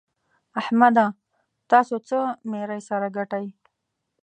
احمده! تاسو څه ميرۍ سره ګټئ؟!